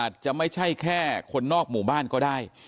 อาจจะไม่ใช่แค่คนนอกหมู่บ้านก็ได้